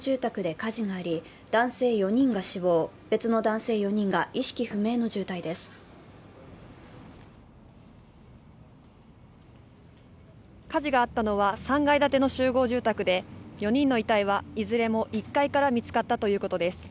火事があったのは、３階建ての集合住宅で４人の遺体はいずれも１階から見つかったということです。